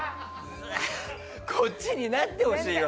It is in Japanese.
こっちになってほしいは。